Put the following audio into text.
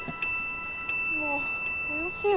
もうおよしよ。